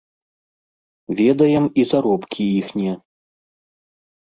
Ведаем і заробкі іхнія.